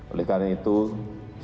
oleh karena itu saya tidak ragu